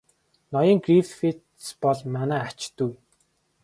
Ноён Грифитс бол манай ач дүү.